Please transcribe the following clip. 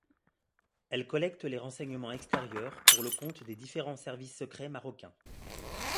Elle collecte les renseignements extérieurs pour le compte des différents services secrets marocains.